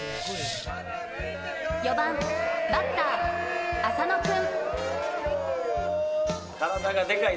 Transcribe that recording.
４番、バッター・浅野君。